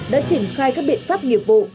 đã triển khai các biện pháp nghiệp bộ